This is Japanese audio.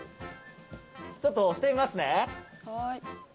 ちょっと押してみますね。